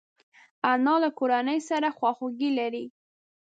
انا له کورنۍ سره خواخوږي لري